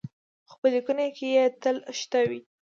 خو په لیکنو کې یې تل شته وي.